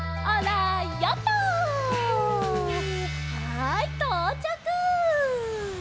はいとうちゃく！